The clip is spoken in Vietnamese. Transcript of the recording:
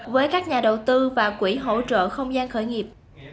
với các nhà đầu tư và quỹ hỗ trợ không gian khởi nghiệp